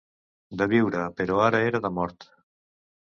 De viure, però ara era de mort.